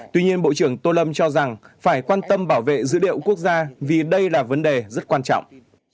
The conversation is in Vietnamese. tuy nhiên bộ trưởng tô lâm cho rằng phải quan tâm bảo vệ dữ liệu quốc gia vì đây là vấn đề rất quan trọng